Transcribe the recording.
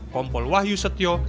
kompol wahyu setio